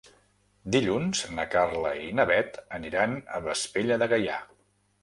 Dilluns na Carla i na Bet aniran a Vespella de Gaià.